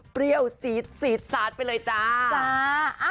เปรี้ยวจี๊ดซีดซาดไปเลยจ้า